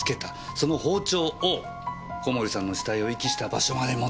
その包丁を小森さんの死体を遺棄した場所まで持って行き。